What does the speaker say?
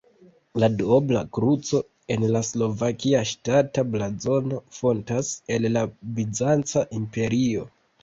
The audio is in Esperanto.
La duobla kruco en la slovakia ŝtata blazono fontas el la Bizanca Imperio.